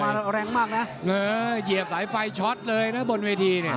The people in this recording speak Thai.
เตะมาแรงมากนะเหยียบสายไฟช็อตเลยนะบนเวที